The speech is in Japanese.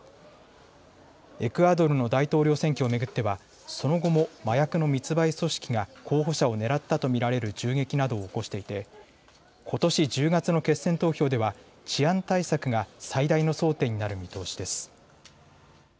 エクアドルの大統領選挙を巡ってはその後も麻薬の密売組織が候補者を狙ったと見られる銃撃などを起こしていてことし１０月の決選投票では治安対策が最大の争点になる見通しです。